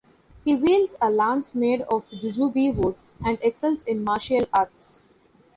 He wields a lance made of jujube wood and excels in martial arts.